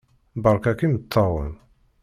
Beṛka-k imeṭṭawen!